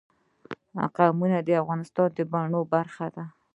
قومونه د افغانستان د بڼوالۍ برخه ده.